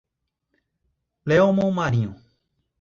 Ielmo Marinho